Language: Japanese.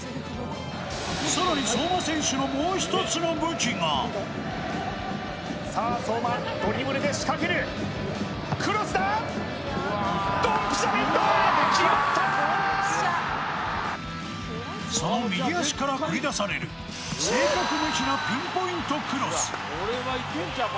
更に相馬選手のもう一つの武器がその右足から繰り出される正確無比なピンポイントクロス。